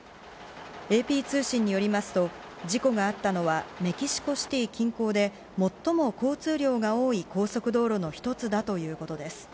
ＡＰ通信によりますと事故があったのはメキシコシティ近郊で最も交通量が多い高速道路の１つだということです。